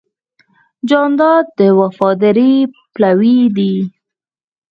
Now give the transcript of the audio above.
جانداد د وفادارۍ پلوی دی.